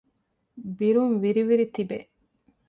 ބިރުން ވިރި ވިރި ތިބޭ